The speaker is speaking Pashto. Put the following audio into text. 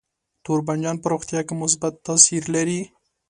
تور بانجان په روغتیا کې مثبت تاثیر لري.